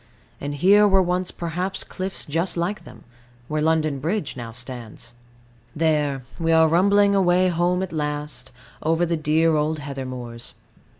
And here were once perhaps cliffs just like them, where London Bridge now stands. There, we are rumbling away home at last, over the dear old heather moors.